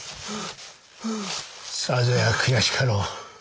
さぞや悔しかろう。